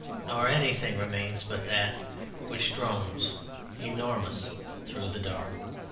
Nor anything remains but that which drones Enormous through the dark....